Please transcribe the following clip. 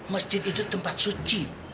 masjid itu tempat suci